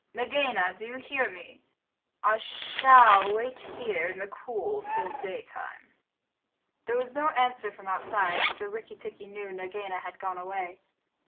Nagaina do you hear me? I shall wait here in the cool till daytime." There was no answer from outside, so Rikki tikki knew Nagaina had gone away.